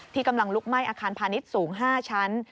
กำลังลุกไหม้อาคารพาณิชย์สูง๕ชั้น